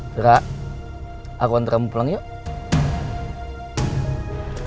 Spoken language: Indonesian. dera aku antaramu pulang yuk